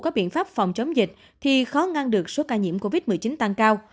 có biện pháp phòng chống dịch thì khó ngăn được số ca nhiễm covid một mươi chín tăng cao